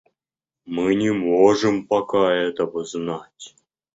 Мы не можем пока этого знать.